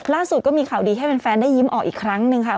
ล่าสุดก็มีข่าวดีให้แฟนได้ยิ้มออกอีกครั้งหนึ่งค่ะ